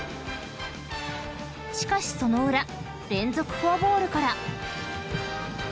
［しかしその裏連続フォアボールから］